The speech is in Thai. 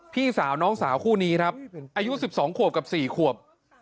พี่สาวน้องสาวคู่นี้ครับอายุ๑๒ขวบกับ๔ขวบ